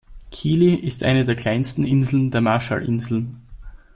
Kili ist eine der kleinsten Inseln der Marshallinseln.